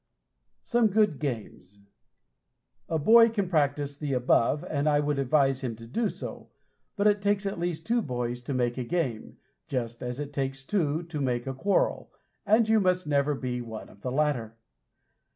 SOME GOOD GAMES A boy can practice the above, and I would advise him to do so, but it takes at least two boys to make a game just as it takes two to make a quarrel, and you must never be one of the latter.